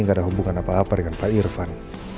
gak ada hubungan apa apa dengan pak irfan